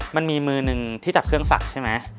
มันมีมือหนึ่งที่จับเครื่องสักใช่ไหม